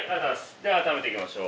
では改めていきましょう。